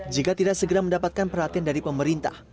jika tidak segera mendapatkan perhatian dari pemerintah